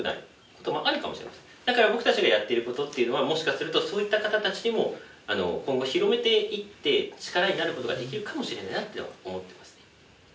だから僕たちがやってることっていうのはもしかするとそういった方たちにも今後広めていって力になることができるかもしれないなっていうのは思ってますね。